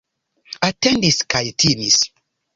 Atendis kaj timis.